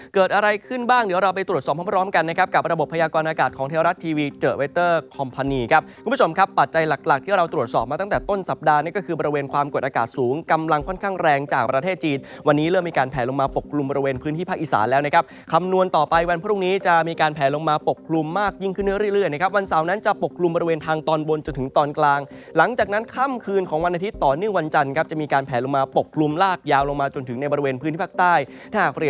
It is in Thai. คุณผู้ชมครับปัจจัยหลักที่เราตรวจสอบมาตั้งแต่ต้นสัปดาห์นี่ก็คือบริเวณความกดอากาศสูงกำลังค่อนข้างแรงจากประเทศจีนวันนี้เริ่มมีการแผลลงมาปกลุ่มบริเวณพื้นที่ภาคอีสานแล้วนะครับคำนวณต่อไปวันพรุ่งนี้จะมีการแผลลงมาปกลุ่มมากยิ่งขึ้นเนื้อเรื่อยนะครับวันเสาร์นั้นจะปกล